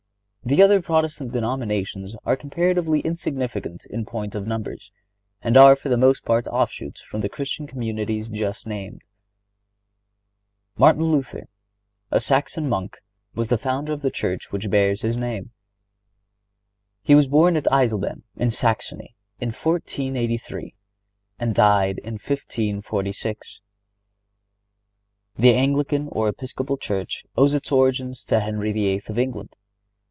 The other Protestant denominations are comparatively insignificant in point of numbers, and are for the most part offshoots from the Christian communities just named. Martin Luther, a Saxon monk, was the founder of the church which bears his name. He was born at Eisleben, in Saxony, in 1483, and died in 1546. The Anglican or Episcopal Church owes its origin to Henry VIII. of England.